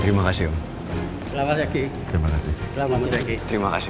terima kasih terima kasih terima kasih terima kasih